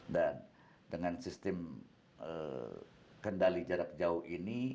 dan dengan sistem kendali jarak jauh ini